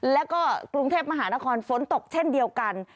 แล้วก็กรุงเทพมหานครฝนตกเช่นเดียวกัน